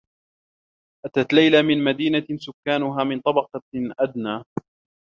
أتت ليلى من مدينة سكّانها من طبقة أدنى.